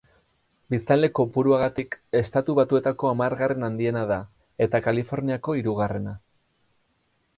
Biztanle kopuruagatik Estatu Batuetako hamargarren handiena da, eta Kaliforniako hirugarrena.